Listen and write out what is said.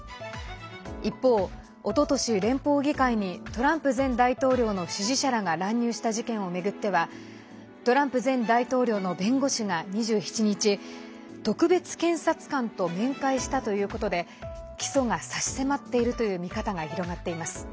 一方、おととし連邦議会にトランプ前大統領の支持者らが乱入した事件を巡ってはトランプ前大統領の弁護士が２７日、特別検察官と面会したということで起訴が差し迫っているという見方が広がっています。